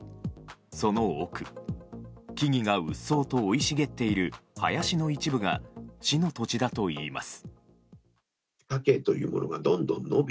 その奥木々がうっそうと生い茂っている林の一部が市の土地だといいます。